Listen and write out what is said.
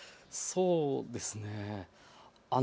そうですね。